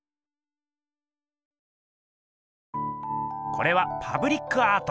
これはパブリックアート。